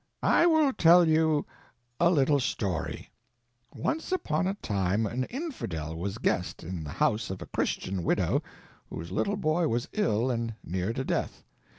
I will tell you a little story: Once upon a time an Infidel was guest in the house of a Christian widow whose little boy was ill and near to death.